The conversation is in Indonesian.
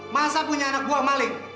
masa punya anak buah maling